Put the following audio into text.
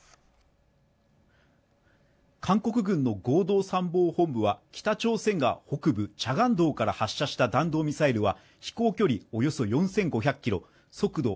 韓国軍の合同参謀本部は北朝鮮が北部チャガン道から発射した弾道ミサイルは飛行距離およそ４５００キロ速度